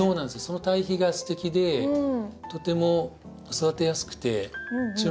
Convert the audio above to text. その対比がステキでとても育てやすくて注目の子ですね。